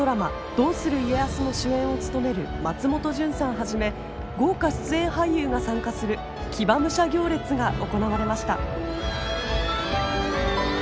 「どうする家康」の主演を務める松本潤さんはじめ豪華出演俳優が参加する騎馬武者行列が行われました。